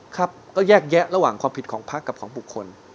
ครับก็แยกแยะระหว่างความผิดของพักกับของบุคคล